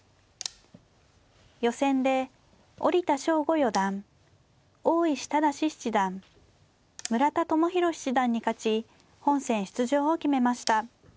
予選で折田翔吾四段大石直嗣七段村田智弘七段に勝ち本戦出場を決めました。